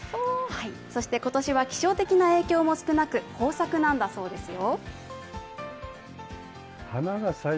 そして今年は気象的な影響も少なく、豊作なんだそうですよ。